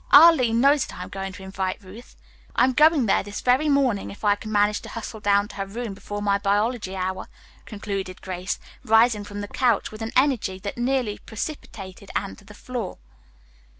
Arline knows that I am going to invite Ruth. I'm going there this very morning if I can manage to hustle down to her room before my biology hour," concluded Grace, rising from the couch with an energy that nearly precipitated Anne to the floor.